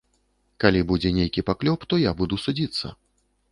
Калі будзе нейкі паклёп, то я буду судзіцца.